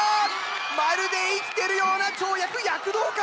まるで生きてるような跳躍躍動感！